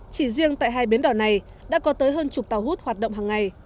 chỉ riêng tại hai bến đỏ này đã có tới hơn chục tàu hút hoạt động hàng ngày